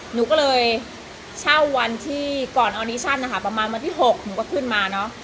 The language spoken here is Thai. หนูก็เลยเช่าวันที่ก่อนออนิชั่นนะคะประมาณวันที่๖หนูก็ขึ้นมาเนอะ